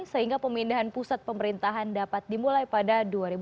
sehingga pemindahan pusat pemerintahan dapat dimulai pada dua ribu dua puluh